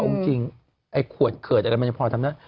แต่เอาจริงควดเขืมเกิดมันยังพอทำนั่น